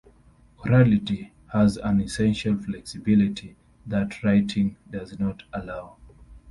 Orality has an essential flexibility that writing does not allow.